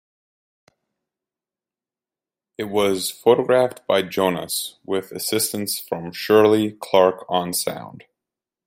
It was photographed by Jonas, with assistance from Shirley Clarke on sound.